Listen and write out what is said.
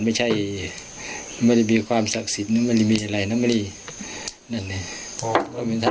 ทำบัติไม่มีความศักดิ์สิทธิ์นึงมันมีอะไรนั่นนี่